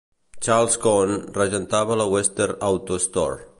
Charles Cone regentava la Western Auto Store.